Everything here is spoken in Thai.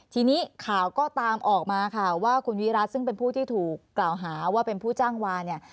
ทีนี้ข่าวก็ตามออกมาค่ะว่าคุณวิรัติซึ่งเป็นผู้ที่ถูกกล่าวหาว่าเป็นผู้จ้างวาเนี่ย